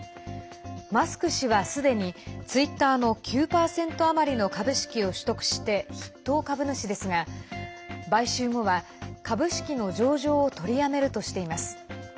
マスク氏はすでにツイッターの９％余りの株式を取得して筆頭株主ですが買収後は、株式の上場を取りやめるとしています。